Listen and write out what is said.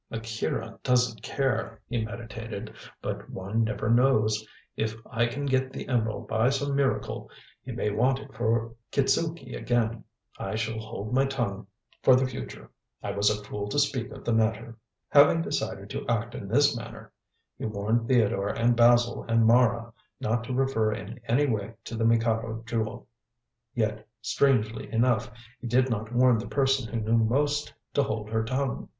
"Akira doesn't care," he meditated; "but one never knows. If I can get the emerald by some miracle, he may want it for Kitzuki again. I shall hold my tongue for the future. I was a fool to speak of the matter." Having decided to act in this manner, he warned Theodore and Basil and Mara not to refer in any way to the Mikado Jewel. Yet, strangely enough, he did not warn the person who knew most to hold her tongue.